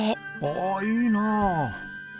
ああいいなあ。